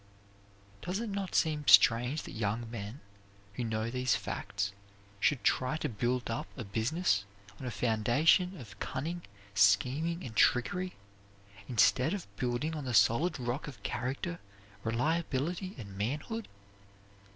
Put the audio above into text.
Does it not seem strange that young men who know these facts should try to build up a business on a foundation of cunning, scheming, and trickery, instead of building on the solid rock of character, reliability, and manhood?